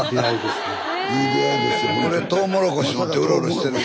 スタジオ俺トウモロコシ持ってうろうろしてる。